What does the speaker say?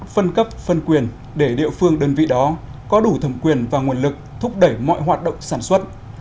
phân cấp phân quyền để địa phương đơn vị đó có đủ thẩm quyền và nguồn lực thúc đẩy mọi hoạt động sản xuất